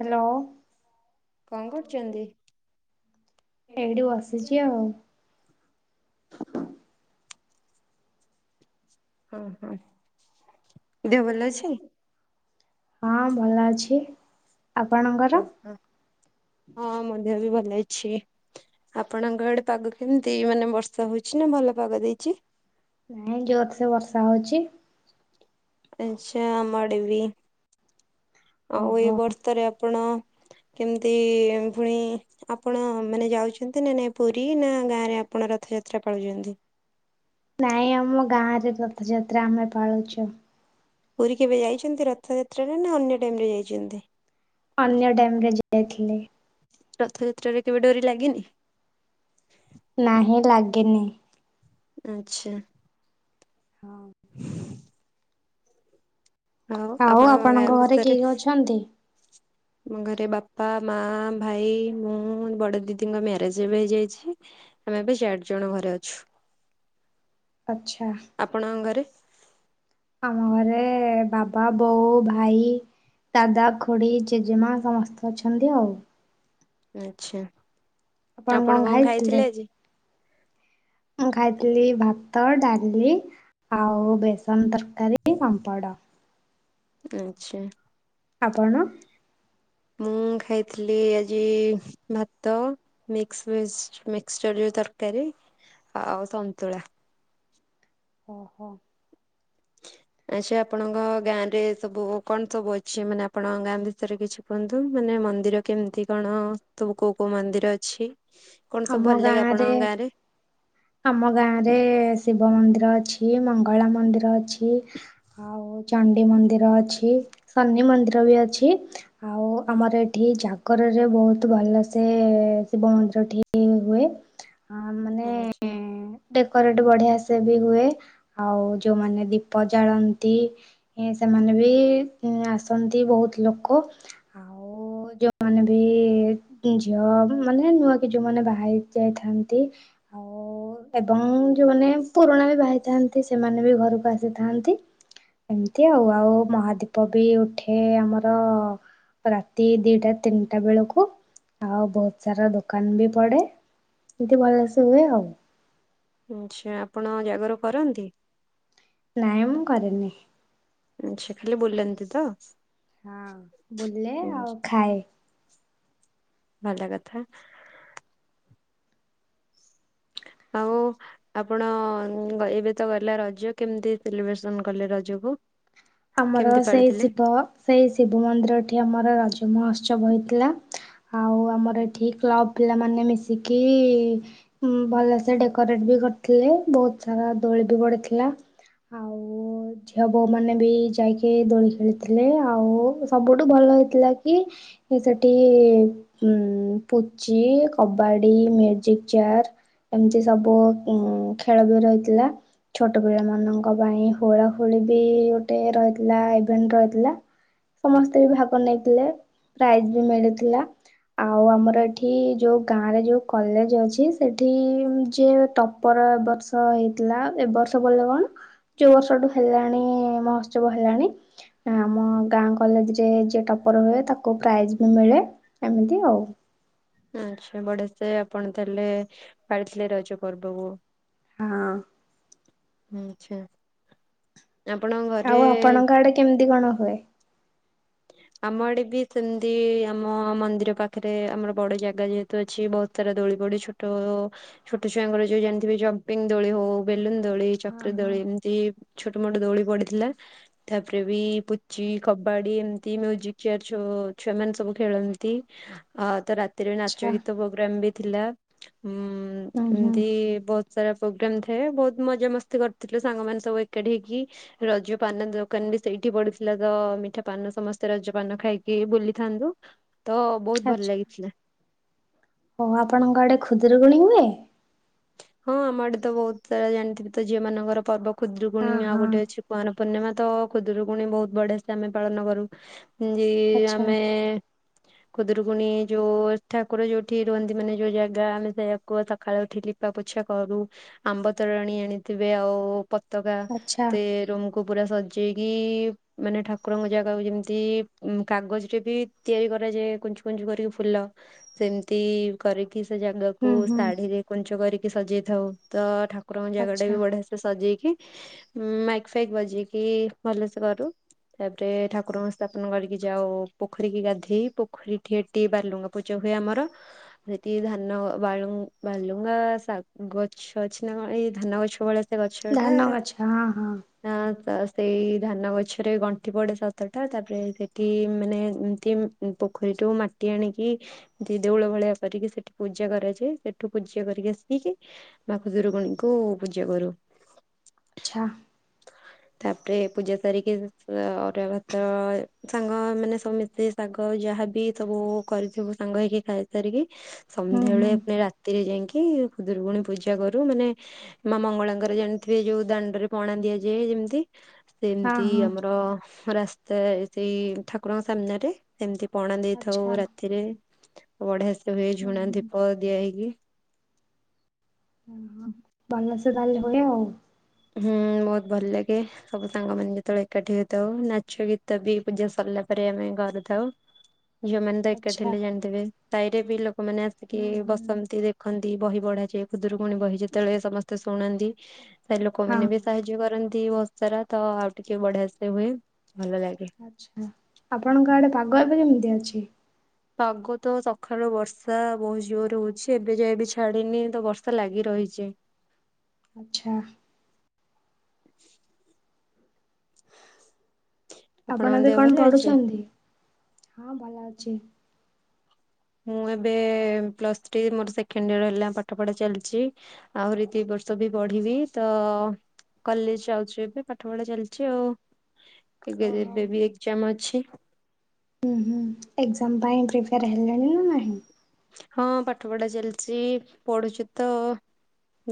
Hello କଣ କରୁଛନ୍ତି? ଏଇଠି ବସିଛି ଆଉ। ହଁ ହଁ ଦେହ ଭଲ ଅଛି? ହଁ ଭଲ ଅଛି ଆପଣଙ୍କର? ହଁ ମୋ ଦେହ ବି ଭଲ ଅଛି। ଆପଣଙ୍କ ଏଡେ ପାଗ କେମତି ମାନେ ବର୍ଷା ହଉଛି ନା ଭଲ ଭଲ ପାଗ ଦେଇଛି? ନାଇଁ ଜୋର ସେ ବର୍ଷା ହଉଛି। ଆଛା ଆମ ଆଡେ ବି। ଆଉ ଏଇ ଓହୋ ବର୍ଷା ରେ ଆପଣ କେମିତି ପୁଣି ଆପଣ ମାନେ ଯାଉଛନ୍ତି ନା ନାଇଁ ପୁରୀ ନା ଗାଁରେ ଅପ୍ ଆପଣ ରଥଯାତ୍ରା ପାଳୁଛନ୍ତି? ନାଇଁ ଆମ ଗାଁ ରେ ରଥଯାତ୍ରା ଆମେ ପାଳୁଛୁ। ପୁରୀ କେବେ ଯାଇଛନ୍ତି ରଥଯାତ୍ରାରେ ନା ଅନ୍ୟ ଟାଇମରେ ଯାଇଛନ୍ତି? ଅନ୍ୟ ଟାଇମ୍ ରେ ଯାଇଥିଲି। ରଥଯାତ୍ରାରେ କେବେ ଡୋରି ଲାଗିନି। ନାହିଁ ଲାଗିନି। ଆଚ୍ଛା। ହଁ। ଆଉ ଆପଣଙ୍କ ଘରେ କିଏ କିଏ ଅଛନ୍ତି? ମୋ ଘରେ ବାପା, ମା, ଭାଇ, ମୁଁ ବଡ ଦିଦିଙ୍କ ମ୍ୟାରେଜ ହେଇଯାଇଛି। ଆମେ ଏବେ ଚାରି ଜଣ ଘରେ ଅଛୁ। ଆଚ୍ଛା ଆପଣଙ୍କ ଘରେ? ଆମ ଘରେ ବାବା, ବୋଉ, ଭାଇ। ଦାଦା, ଖୁଡି, ଜେଜେମା ସମସ୍ତେ ଅଛନ୍ତି ଆଉ। ଆଛା ଆପଣ କଣ ଖାଇଥିଲେ ଆଜି? ମୁ ଖାଇଥିଲି ଭାତ, ଡାଲି ଆଉ ବେସନ ତରକାରୀ, ପାମ୍ପଡ଼। ଆଛା। ଆପଣ? ମୁଁ ଖାଇଥିଲି ଆଜି ଭାତ, ମିକସ ଭିଜ ମିକ୍ସଚର ତରକାରୀ ଆଉ ସନ୍ତୁଳା। ଓହୋ। [unintelligible] ଆଚ୍ଛା ଆପଣଙ୍କ ଗାଁ ରେ ସବୁ କଣ ସବୁ ଅଛି ମାନେ ଆପଣଙ୍କ ଗାଁ ବିଷୟରେ କିଛି କୁହନ୍ତୁ? ମାନେ ମନ୍ଦିର କେମିତି କଣ ସବୁ କୋଉ କୋଉ ମନ୍ଦିର ଅଛି? କଣ ସବୁ ଆମ ଭଲ ଲାଗେ ଗାଁରେ ଆପଣଙ୍କ ଗାଁ ରେ? ଆମ ଗାଁ ରେ ଶିବ ମନ୍ଦିର ଅଛି, ମଙ୍ଗଳା ମନ୍ଦିର ଅଛି ଆଉ ଆଉ ଚଣ୍ଡୀ ମନ୍ଦିର ଅଛି, ଶନି ମନ୍ଦିର ବି ଅଛି, ଆଉ ଆମର ଏଠି ଜାଗ ଘରେ ବହୁତ ଭଲ ସେ ଶିବ ମନ୍ଦିର ଏଠି ହୁଏ। ଆ ମାନେ ଆଛା। ଡେକୋରେଟ ବଢିଆ ସେ ବି ହୁଏ ଆଉ ଯୋଉମାନେ ଦୀପ ଜାଳନ୍ତି। ସେମାନେ ବି ଆସନ୍ତି ବହୁତ ଲୋକ ଆଉ ଆଉ ଯୋଉମାନେ ବି ଝିଅ ମାନେ ନୂଆ କି ଯୋଉମାନେ ବାହାରି ଯାଇଥାନ୍ତି। ଆଉ ଏବଂ ଯୋଉମାନେ ପୁରୁଣା ବି ବାହାଇଥାନ୍ତି ସେମାନେ ବି ଘରକୁ ଆସିଥାନ୍ତି। ଏମିତି ଆଉ ଆଉ ମହାଦୀପ ବି ଉଠେ ଆମର। ରାତି ଦିଟା ତିନିଟା ବେଳକୁ ଆଉ ବହୁତ ସାରା ଦୋକାନ ବି ପଡେ। ଏମୀତି ଭଲସ ହୁଏ ଆଉ। ଆଛା ଆପଣ ଜାଗର କରନ୍ତି? ନାଇ ମୁଁ କରେନି। ଆଚ୍ଛା ଖାଲି ବୁଲନ୍ତି ତ। ହଁ ବୁଲେ ଆଉ ଖାଏ। ଭଲ କଥା। ଆଉ ଆପଣ ଏବେ ତ ଗଲେ ରଜ, କେମିତି ସେଲିବ୍ରେସନ କଲେ ରଜକୁ? ଆମର କେମିତି ସେଇ ପାଳିଥିଲେ ଶିବ ସେଇ ଶିବ ମନ୍ଦିର ଟି ଆମର ରଜ ମହୋତ୍ସବ ହୋଇଥିଲା ଆଉ ଆମର ଏଠି କ୍ଲବ ପିଲାମାନେ ମିଶିକି ଭଲସେ ଡେକୋରେଟ ବି କରିଥିଲେ ବହୁତ ସାରା ଦୋଳି ବଢିଥିଲା ଆଉ-ଉ-ଉ-ଉ ଝିଅ ବୋଉ ମାନେ ବି ଯାଇକି ଦୋଳି ଖେଳିଥିଲେ ଆଉ ସବୁଠୁ ଭଲ ହେଇଥିଲା କି ସେଠି-ଇ-ଇ-ଇ ଉମ୍-ମ୍-ମ୍ ପୁଚି, କବାଡି, ମ୍ୟୁଜିକ ଚେୟାର। ଏମିତି ସବୁ ଉ ଖେଳ ବି ରହିଥିଲା। ଛୋଟ ପିଲା ମାନଙ୍କ ପାଇଁ ହୋଳା ହୋଳି ବି ଗୋଟେ ରହିଥିଲା ଇଭେଣ୍ଟ ରହିଥିଲା। ସମସ୍ତେ ବି ଭାଗ ନେଇଥିଲେ ପ୍ରାଇଜ୍ ବି ମିଳିଥିଲା। ଆଉ ଆମର ଏଠି ଯୋଉ ଗାଁ ରେ ଯୋଉ କଲେଜ ଅଛି ସେଠି-ଇ-ଇ-ଇ ଯିଏ ଟପର ଏବ ବର୍ଷ ହେଇଥିଲା ଏବ ବର୍ଷ ବୋଲେ କଣ ଯୋଉ ବର୍ଷଠୁ ହେଲାଣି-ଇ-ଇ-ଇ ମହୋ ଉତ୍ସବ ହେଲାଣି। ଆମ ଗାଁ କଲେଜ ରେ ଯିଏ ଟପର ହୁଏ ତାକୁ ପ୍ରାଇଜ ବି ମିଳେ ଏମିତି ଆଉ। ଆଚ୍ଛା ବଢିଆ ସେ ଆପଣ ତାହେଲେ ପାଳିଥିଲେ ରଜ ପର୍ବକୁ। ହଁ। ଆଛା ଆପଣଙ୍କ ଆଉ ଘରେ-ଏ-ଏ ଆପଣଙ୍କ ଆଡେ କେମିତି କଣ ହୁଏ? ଆମ ଆଡେ ବି ସେମିତି-ଇ-ଇ ଆମ ମନ୍ଦିର ପାଖରେ ଆମର ବଡ ଜାଗା ଯେହେତୁ ଅଛି ବହୁତ ସାରା ଦୋଳି ଗୋଟେ ଛୋଟ-ଅ-ଅ ଛୋଟ ଛୁଆଙ୍କର ଯୋଉ ଜାଣିଥିବେ ଜପିଙ୍ଗ ଦୋଳି ହଉ ବେଲୁନ ଦୋଳି ହଁ ଚକ୍ରି ହଁ। ଦୋଳି ଏମତି। ଛୋଟ ମୋଟ ଦୋଳି ପଡିଥିଲା। ତାପରେ ବି ପୁଚି, କବାଡି ଏମ ଦି ମ୍ୟୁଜିକ ଚେୟାର ଛୋ ଛୁଆ ମାନେ ସବୁ ଖେଳନ୍ତି। ଆ ରା ଏଥିରେ ନାଚ ଆଚ୍ଛା ଗୀତ ପ୍ରୋଗ୍ରାମ ବି ଥିଲା ହୁଁ ଉଁ-ଉ-ଉ ହୁଁ ଏମିତି-ଇ-ଇ ବହୁତ ସାରା ପ୍ରୋଗ୍ରାମ ଥାଏ ବହୁତ ମଜା ମସ୍ତି କରିଥିଲୁ ସାଙ୍ଗ ମାନେ ସବୁ ଏକାଠି ହେଇକି। ରଜ ପାନ ଦୋକାନ ସେଇଠି ପଡିଥିଲା ତ ମିଠା ପାନ ସମସ୍ ତ ରଜପାନ ଖାଇକି ବୁଲିଥାନ୍ତୁ। ତ ବହୁତ ଭଲ ଲାଗିଥିଲା। ହ ଆପଣଙ୍କ ଆଡେ ଖୁଦରୁକୁଣୀ ହୁଏ? ହଁ ଆମ ଆଡେ ତ ବହୁତ ସାରା ଜାଣିଥିବେ ତ ଝିଅ ମାନଙ୍କର ପର୍ବ ହଁ ଖୁଦୁରୁକୁୁଣୀ ଆଉ ହଁ ଗୋଟେ ଅଛି କୁଆର ପୂର୍ଣ୍ଣିମା ତ ଖୁଦୁରୁକୁୁଣି ବହୁତ ବଢିଆ ସେ ଆମେ ପାଳନ କରୁ ଯେ-ଏ-ଏ ଆଚ୍ଛା ଆମେ-ଏ-ଏ ଖୁଦୁରୁକୁୁଣୀ ଯୋଉ ଠାକୁର ଯୋଉଠି ରୁହନ୍ତି ମାନେ ଯୋଉ ଜାଗା ଆମେ ସେଇଆକୁ ସକାଳେ ଉଠିକି ପା ପୋଛା କରୁ ଆମ୍ବ ତରାଣି ଆଣିଥିବେ ଆଉ ପତକା ଆଚ୍ଛା ତେ ରୁମକୁ ପୁରା ସଜେଇକି-ଇ-ଇ-ଇ ମାନେ ଠାକୁରଙ୍କ ଜାଗାକୁ ଯେମିତି ମ କାଗଜରେ ବି ତିଆରି କରା ଏ ଯେ କୁଞ୍ଚୁ କୁଞ୍ଚୁ କରିକି ଫୁଲ ସେମିତି କରି କି ସେ ଯେ ଜାଗାକୁ ହୁଁ ହୁଁ ଶାଢିରେ କୁଞ୍ଚ କରିକି ସଜେଇଥାଉ। ତ ଠା ଠାକୁର ଙ୍କ ଜାଗା ଟା ଆଚ୍ଛା। ବି ବଢିଆ ସେ ସଜେଇକି ମାଇକି ଫାଇକ୍ ବଜେଇକି ଭଲସେ କରୁ। ତାପରେ ଠାକୁରଙ୍କ ସ୍ଥାପନ କରିକି ଯାଉ ପୋଖରି କି ଗାଧେଇ। ପୋଖରି ଠିଏ ଟି ବାର୍ଲୁଙ୍ଗା ପୂଜା ହୁଏ ଆମର ସେଠି ଧାନ ବାଳୁ ବାଲୁ ଙ୍ଗା ଶାଗ ଗଛ ଅଛି ନା କଣ ଏଇ ଧାନ ଗଛ ଭଳିଆ ସେ ଗଛଟା ଧାନ ଗଛ ହଁ ହଁ ଆ ନ୍ତା ଆସ ସେଇ ଧାନ ଗଛରେ ଗଣ୍ଠି ପଡେ ସାତଟା ତା ପରେ ସେଠିମାନେ ଏମତି ପୋଖରୀ ସେଠୁ ମାଟି ଆଣିକି ଦେ ଦେଉଳ ଭଳିଆ କରିକି ସେଠି ପୂଜା କରାଯାଏ। ସେଠୁ ପୂଜା କରିକି ଆସିକି ମା ଖୁଦୁରୁକୁଣୀଙ୍କୁ ପୂଜା କରୁ। ଆଛା। ହା ତା ପରେ ପୂଜା ସାରିକି ଅ ଅରୁଆ ଭାତ ସାଙ୍ଗମାନେ ସମସ୍ତେ ଶାଗ ଯାହା ତଥାବି ସବୁ କରିଥିବୁ ସାଙ୍ଗ ହେଇକି ଖାଇସାରିକି ହୁଁ ହୁଁ ସନ୍ଧ୍ୟାବେଳେ ପୁଣି ରା ଘରେ ଯାଇଙ୍କି ଖୁଦୁରୁକୁଣୀ ପୂଜା କରୁ ମାନେ ମା ମଙ୍ଗଳାଙ୍କର ଜାଣିଥିବେ ଯୋଉ ଦାଣ୍ଡରେ ପଣା ଦିଆ ଯେ ଯେମତି ହଁ ସେମତି ହଁ। ଆମର ରାସ୍ତା ସେଇ ଠାକୁରଙ୍କ ସାମ୍ନରେ ସେମତି ପଣା ଦେଇଥାଉ ଆଚ୍ଛା ରାତିରେ ବଢିଆ ସେ ହୁଏ ହୁଁ ଝୁଣା ହୁଁ ଦୀପ ଦିଆ ହେଇକି ହ ହଁ ଭଲସେ ତାହେଲେ ହୁଏ ଆଉ। ହୁଁ ବହୁତ ଭଲ ଲାଗେ ସବୁ ସାଙ୍ଗମାନେ ଯେତେବେଳେ ଏକାଠି ହେଇଥାଉ ନାଚ ଗୀତ ବି ପୂଜା ସ ଗଲା ପରେ ଆମେ ଘରେଥାଉ। ଝିଅମାନ ତ ଏକାଠି ଆଚ୍ଛା ହେଲେ ଜାଣିଥିବେ ସାହିରେ ବି ଲୋକମାନେ ଆସିକି ହୁଁ ହୁଁ ବସନ୍ତି ଦେଖନ୍ତି। ଏହି ବହି ପଢ଼ାଯାଏ ଖୁଦୁରୁକୁଣୀ ବହି ଯେତେବେଳେ ସମସ୍ତେ ଶୁଣନ୍ତି, ସେ ହଁ ଲୋକମାନେ ବି ସାହାଯ୍ୟ କରନ୍ତି। ଏଇ ବର୍ଷସାରା ତ ଆଉ ଟିକେ ବଢିଆ ସେ ହୁଏ। ଭଲ ଲାଗେ। ଆଛା ଆପଣଙ୍କ ଆଡେ ପାଗ ଏବେ କେମିତିକା ଅଛି? ପାଗ ତ ସକାଳୁ ବର୍ଷା ବହୁତ ଜୋର ହଉଛି, ଏବେ ଯାଏ ବି ଛାଡିନି ତ ବର୍ଷା ଲାଗି ରହୁଛି। ରହିଛି। ଆଛା। [inaudible] ଆପଣଙ୍କ ଆପଣବି ଦେହ କଣ ଭଲ ଅଛି? ପଢୁଛନ୍ତି ହଁ ଭଲ ଅଛି। ମୁଁ ଏବେ ପ୍ଲସଥ୍ରୀ ମୋର ସେକେଣ୍ଡଇୟର ହେଲା ପାଠ ପଢା ଚାଲିଛି ଆହୁରି ଦି ଏ ବର୍ଷ ବି ପଢିବି ତ କଲେଜ ଯାଉଛି, ଏବେ ପାଠପଢା ଚାଲିଛି ଆଉ। ଏବେ ଓହୋ। ଏବେ ବି ଏକ୍ଜାମ ଅଛି। ହୁଁ ହୁଁ ଏକ୍ଜାମ ପାଇଁ ପ୍ରିପେୟାର ହେଲେଣି ନା ନାହିଁ? ହଁ ପାଠପଢା ଚାଲିଛି ପଢୁଛୁ ତ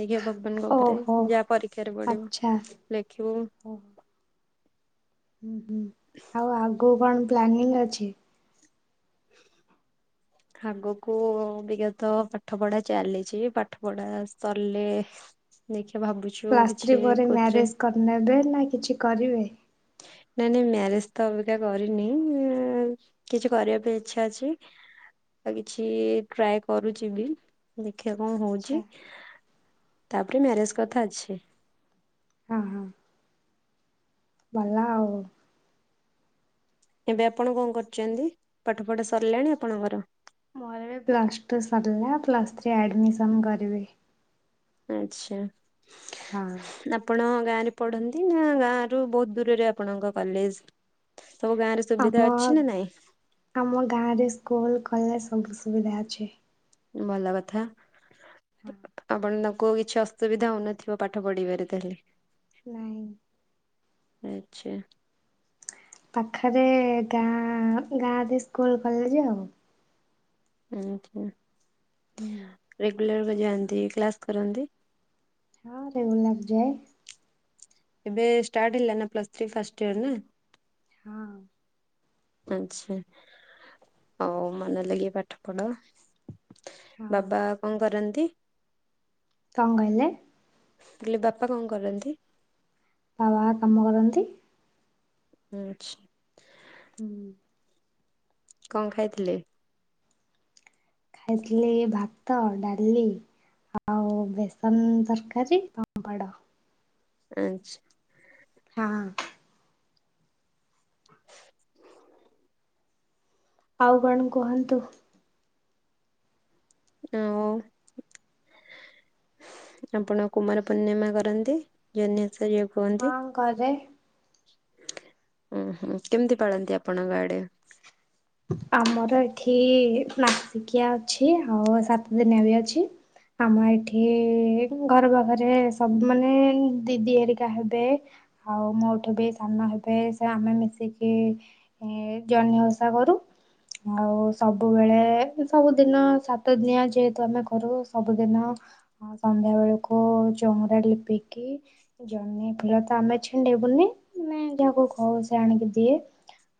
ଦେଖିବା ଭଗବାନଙ୍କ ଉପରେ ଓହୋ ଯାହା ପରୀକ୍ଷାରେ ପଢିବ ଆଚ୍ଛା ଲେଖିବୁ। ଓହୋ। ହୁଁ ହୁଁ ଆଉ ଆଗକୁ କଣ ପ୍ଲାନିଂ ଅଛି। [inaudible] ଆଗକୁ ବିଗତ ପାଠପଢା ଚାଲିଛି ପାଠପଢା ସରିଲେ ଲେଖି ପ୍ଲସ ଥ୍ରୀ ପରେ ମ୍ୟାରେଜ କରି ନେବେ ନା କିଛି କରିବେ ନା ନାଇଁ ନାଇଁ ମ୍ୟାରେଜ ତ ଅବିକା କରିନି କିଛି କରିବା ପାଇଁ ଇଚ୍ଛା ଅଛି। ଆଉ କିଛି ଟ୍ରାଏ କରୁଛି, ବି ଦେଖ ଦେଖିବା କଣ ଆଚ୍ଛା ହଉଛି ତାପରେ ମ୍ୟାରେଜ କଥା ଅଛି। ଆଁ ହ ଭଲ ଆଉ। ଏବେ ଆପଣ କଣ କରୁଛନ୍ତି ପାଠ ପଢ଼ା ସରିଲାଣି ଆପଣଙ୍କର? ମୋର ଏ ପ୍ଲସ୍ ଟୁ ସରିଲା ପ୍ଲସ୍ ଥ୍ରୀ ଆଡମିଶନ୍ କରିବି ଆଚ୍ଛା ହଁ। ଆଚ୍ଛା ଆପଣ ଗାଁ ରେ ପଢ଼ନ୍ତି ନା ଗାଁ ର ବହୁତ ଦୂରରେ ଆପଣଙ୍କ କଲେଜ ସବୁ ଗାଁରେ ସୁବିଧା ଆମ ଅଛି ନା ନାଇଁ? ଆମ ଗାଁରେ ସ୍କୁଲ କଲେଜ ସବୁ ସୁବିଧା ଅଛି। ଭଲ କଥା। ହଁ। ଆପଣଙ୍କୁ କିଛି ଅସୁବିଧା ହଉନଥିବ ପାଠ ପଢ଼ିବାରେ ତାହେଲେ ନାଇଁ ଆଚ୍ଛା। ପାଖରେ ଗାଁ ଗାଁରେ ସ୍କୁଲ କଲେଜ ଆଉ ଆଚ୍ଛା। ହୁଁ। କେତେ ବେଳକୁ ଯାଆନ୍ତି, କ୍ଲାସ କରନ୍ତି। ହଁ ରେଗୁଲାର୍ ଯାଏ। ଏବେ ଷ୍ଟାର୍ଟ ହେଲା ନା ପ୍ଲସ୍ ଥ୍ରି ଫାଷ୍ଟ ଇୟର ନା? ହଁ। ଆଚ୍ଛା ଆଉ ମନ ଲାଗେ ପାଠ ପଢ଼ା ହଁ। ବାବା କଣ କରନ୍ତି? କଣ କହିଲେ? ହେଲେ ବାପା କଣ କରନ୍ତି? ବାବା କାମ କରନ୍ତି। ଆଚ୍ଛା। ହୁଁ। କଣ ଖାଇଥିଲେ? ଖାଇଥିଲି ଭାତ, ଡାଳି ଆଉ ବେସନ ତରକାରୀ, ପାମ୍ପଡ। ଆଚ୍ଛା। ହଁ। ଆଉ କଣ କୁହନ୍ତୁ? ଓ। ଆପଣ କୁମାର ପୂର୍ଣ୍ଣିମା କରନ୍ତି ଜହ୍ନି ଓଷା ହଁ ଘରେ। ଉଁ ହଁ କେମିତି ପାଳନ୍ତି ଆପଣଙ୍କ ଆଡ଼େ? ଆମର ଏଠି ମାସିକିଆ ଅଛି ଆଉ ସାତ ଦିନିଆ ବି ଅଛି। ଆମ ଏଇଠି ଘର ପାଖରେ ସବୁ ମାନେ ଦିଦି ହେରିକା ହେବେ। ଆଉ ମୋଠୁ ବି ସାନ ହେବେ ସେ ଆମେ ମିଶିକି ଜହ୍ନି ଓଷା ଓଷା କରୁ। ଆଉ ସବୁବେଳେ ସବୁଦିନ ସାତଦିନିଆ ଯେହେତୁ ଆମେ ଘରୁ ସବୁଦିନ ଆଉ ସନ୍ଧ୍ୟା ବେଳକୁ ଚଉଁରା ଲିପିକି ଜହ୍ନି ଫୁଲ ତ ଆମେ ଛିଣ୍ଡେଇ ଛିଣ୍ଡେଇବୁନି ମାନେ ଯାହାକୁ କହୁ ସେ ଆଣିକି ଦିଏ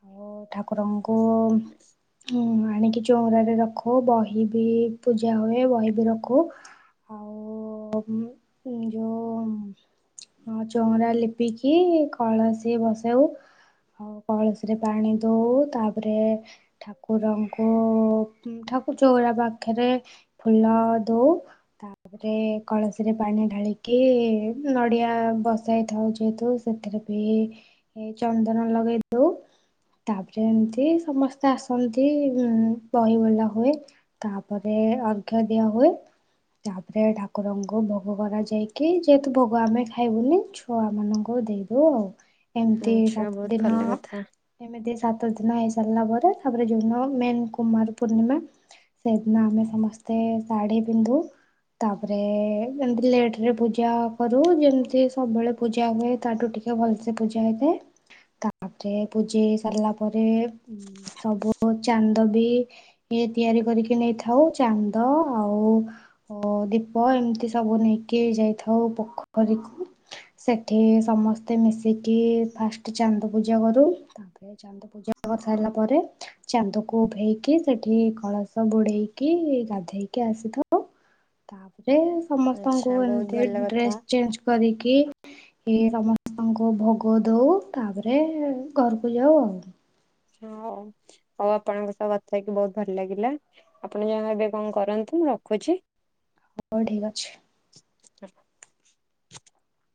ଆଉ ଠାକୁରଙ୍କୁ [inaudible] ହୁଁ। ଆଣିକି ଚଉଁରାରେ ରଖୁ ବହି ବି ପୂଜା ହୁଏ। ବହି ବି ରଖୁ ଆଉ ଓ ମୁଁ ଯଉ ହଁ ଚଉଁରା ଲିପିକି କଳସୀ ବସଉ। ଆଉ କଳସୀରେ ପାଣି ଦଉ ତା ତାପରେ ଠାକୁରଙ୍କୁ ଠାକୁର ଚଉରା ପାଖରେ ଫୁଲ ଧୋଉ ତାପରେ କଳସୀରେ ପାଣି ଢାଳିକି ନଡ଼ିଆ ନଡ଼ିଆ ବସାଇଥାଉ ଯେହେତୁ ସେଥିରେ ବି ହେ ଚନ୍ଦନ ଲଗେଇ ଦଉ ତାପରେ ଏମତି ସମସ୍ତେ ଆସନ୍ତି ଆଉ ବହି ବୋଲା ହୁଏ ତାପରେ ଅର୍ଘ୍ୟ ଦିଆ ହୁଏ। ହୁଏ। ତାପରେ ଠାକୁରଙ୍କୁ ଭୋଗ କରା ଯାଇକି ଯେହେତୁ ଭୋଗ ଆମେ ଖାଇବୁନି ଛୁଆ ମାନଙ୍କୁ ଦେଇଦଉ ଆଉ ଏମିତି ଆଚ୍ଛା ସାତ ବହୁତ ଦିନ ଭଲ କଥା ଏମିତି ସାତ ଦିନ ହେଇ ସାରିଲା ପରେ ତାପରେ ଯୋଉ ଦିନ ମେନ୍ କୁମାର ପୂର୍ଣ୍ଣିମା ସେଦିନ ଆମେ ସମସ୍ତେ ସାଢି ପିନ୍ଧୁ। ତାପରେ ଏମତି ଲେଟ ରେ ପୂଜା କରୁ ଯେମିତି ସବୁବେଳେ ପୂଜା ହୁଏ ତାଠୁ ଟିକେ ଟିକେ ଭଲସେ ପୂଜା ହେଇଥାଏ ତାପରେ ପୂଜେଇ ସାରିଲା ପରେ ସବୁ ଚାନ୍ଦ ବି ଇଏ ତିଆରି କରିକି ନେଇଥାଉ ଚାନ୍ଦ ଆଉ ଓ ଦୀପ ଏମିତି ସବୁ ନେଇକିଇ ଯାଇଥାଉ ପୋଖରୀକୁ। ସେଠି ସମସ୍ତେ ମିଶିକି ଫାଷ୍ଟ ଚାନ୍ଦ ପୂଜା କରୁ ତାପରେ ଚାନ୍ଦ ପୂଜା କରି ସାରିଲା ପରେ ଚାନ୍ଦକୁ ଭେଇକି ସେଠି କଳସ ବୁଡେଇକି ଟେ ଗାଧେଇକି ଆସିଥାଉ ତା ରେ ସମସ୍ତଙ୍କୁ ଆଚ୍ଛା ବହୁତ ଏମିତି ଭଲ କଥା ଡ୍ରେସ ଚେଞ୍ଜ କରିକି କି ସମସ୍ତଙ୍କୁ ଭୋଗ ଦଉ ତାପରେ ଘରକୁ ଯାଉ ଆଉ। [inaudible] ହଁ ହଉ ଆପଣଙ୍କ ସହ କଥା ହେଇକି ବହୁତ ଭଲ ଲାଗିଲା ଆପଣ ଯାହା ଏବେ କଣ କରନ୍ତୁ। ରଖୁଛି। ହ ଠିକ ଅଛି। [inaudible]